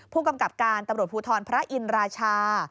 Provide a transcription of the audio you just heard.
ผู้กำกับการตำรวจภูทรพระอินราชา